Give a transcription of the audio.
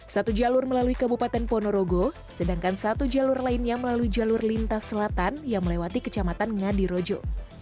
satu jalur melalui kabupaten ponorogo sedangkan satu jalur lainnya melalui jalur lintas selatan yang melewati kecamatan ngadi rojo